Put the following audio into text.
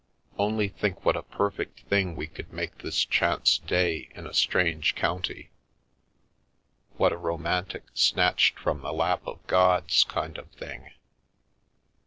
Only think what a perfect thing we could make this chance day in a strange county — what a romantic snatched from the lap of gods kind of thing.